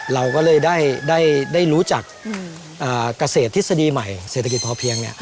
เราก็เลยได้รู้จักเกษตรทฤษฎีใหม่เศรษฐกิจพอเพียง